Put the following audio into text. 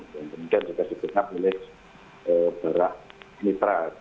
dan mungkin juga sebetulnya berat mitra